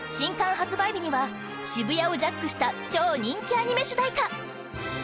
発売日には渋谷をジャックした超人気アニメ主題歌